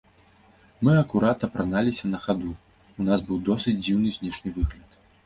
Мы акурат апраналіся на хаду, у нас быў досыць дзіўны знешні выгляд.